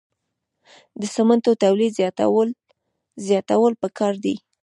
د سمنټو تولید زیاتول پکار دي